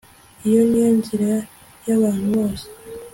Iyo ni yo nzira yabantu bose